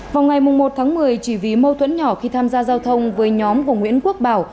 vào ngày một tháng một mươi chỉ vì mâu thuẫn nhỏ khi tham gia giao thông với nhóm của nguyễn quốc bảo